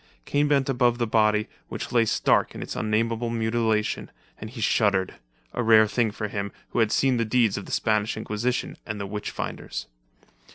Kane bent above the body, which lay stark in its unnameable mutilation, and he shuddered; a rare thing for him, who had seen the deeds of the Spanish Inquisition and the witch finders.